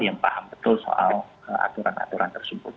yang paham betul soal aturan aturan tersebut